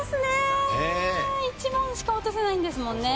１問しか落とせないんですもんね。